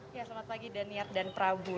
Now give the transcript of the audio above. selamat pagi daniat dan prabu